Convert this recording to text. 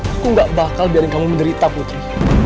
aku gak bakal biarin kamu menderita putri